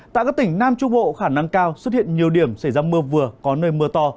tại các tỉnh nam trung bộ khả năng cao xuất hiện nhiều điểm xảy ra mưa vừa có nơi mưa to